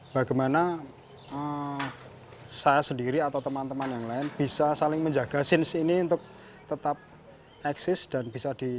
bagaimana saya sendiri atau teman teman yang lain bisa saling menjaga scenes ini untuk tetap eksis dan bisa di